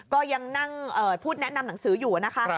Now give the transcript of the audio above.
ก็ยังนั่งพูดแนะนำหนังสืออยู่นะคะ